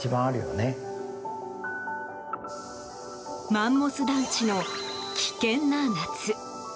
マンモス団地の危険な夏。